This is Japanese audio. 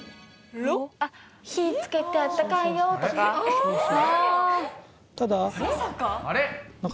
火つけてあったかいよとか？